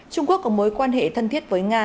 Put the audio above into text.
trung quốc có mối quan hệ thân thiết với nga